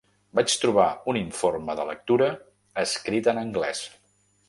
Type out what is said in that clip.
Vaig trobar un informe de lectura escrit en anglès.